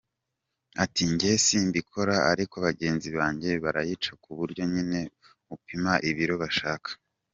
Ati “Njye simbikora ariko bagenzi banjye barayica kuburyo nyine upima ibiro bashaka.